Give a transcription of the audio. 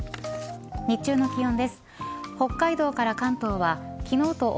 日中の気温です。